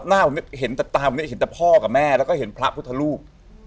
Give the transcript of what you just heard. หน้าผมเนี่ยเห็นแต่ตามผมเนี่ยเห็นแต่พ่อกับแม่แล้วก็เห็นพระพุทธรูป